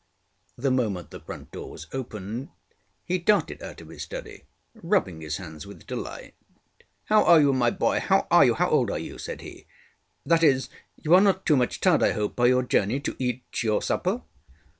The moment the front door was opened he darted out of his study, rubbing his hands with delight. ŌĆ£How are you, my boy? ŌĆöhow are you? How old are you? ŌĆØ said heŌĆöŌĆ£that is, you are not too much tired, I hope, by your journey to eat your supper?